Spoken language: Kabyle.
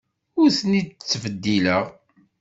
Ur ten-id-ttbeddileɣ.